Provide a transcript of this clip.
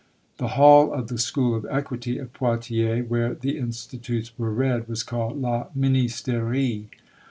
"The hall of the School of Equity at Poitiers, where the institutes were read, was called La Ministerie.